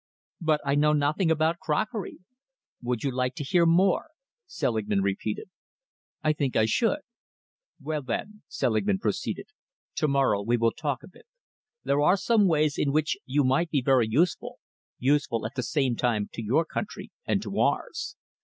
"But I know nothing about crockery!" "Would you like to hear more?" Selingman repeated. "I think I should." "Very well, then," Selingman proceeded. "Tomorrow we will talk of it. There are some ways in which you might be very useful, useful at the same time to your country and to ours.